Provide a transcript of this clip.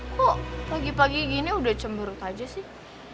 kok pagi pagi gini udah cemburuk aja sih